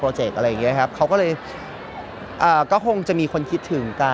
อะไรอย่างเงี้ยครับเขาก็เลยอ่าก็คงจะมีคนคิดถึงกัน